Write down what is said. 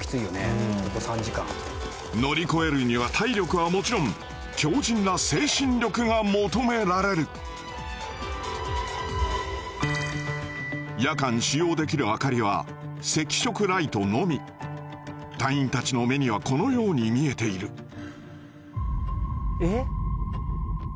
うんここ３時間乗り越えるには体力はもちろん強じんな精神力が求められる夜間使用できる明かりは赤色ライトのみ隊員たちの目にはこのように見えているえっ？